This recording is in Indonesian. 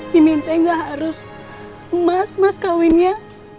mimin aku nggak harus emas emas kawinnya